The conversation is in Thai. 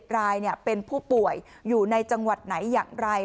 รายเป็นผู้ป่วยอยู่ในจังหวัดไหนอย่างไร